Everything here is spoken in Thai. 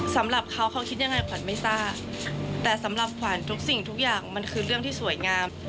สำหรับเขาเขาคิดยังไงขวัญไม่ทราบแต่สำหรับขวัญทุกสิ่งทุกอย่างมันคือเรื่องที่สวยงาม